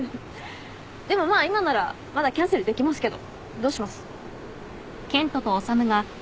でもまあ今ならまだキャンセルできますけどどうします？